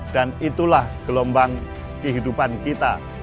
dan itulah gelombang kehidupan kita